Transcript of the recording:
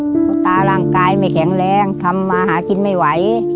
เพราะตาร่างกายไม่แข็งแรงทำมาหากินไม่ไหว